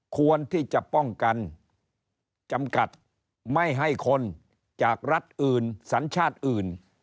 ควรที่จะป้องกันจำกัดไม่ให้คนจากรัฐอื่นสัญชาติอื่น